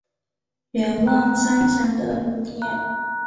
远望三峡的容颜